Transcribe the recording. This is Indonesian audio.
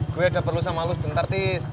gue ada perlu sama lo bentar tis